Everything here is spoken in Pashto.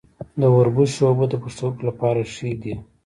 د وربشو اوبه د پښتورګو لپاره ښې دي.